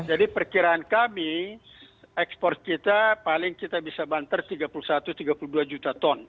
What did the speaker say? jadi perkiraan kami ekspor kita paling kita bisa banter tiga puluh satu tiga puluh dua juta ton